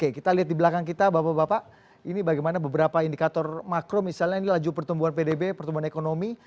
kita lihat di belakang kita bapak bapak ini bagaimana beberapa indikator makro misalnya ini laju pertumbuhan pdb pertumbuhan ekonomi